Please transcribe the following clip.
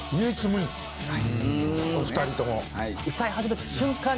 お二人とも。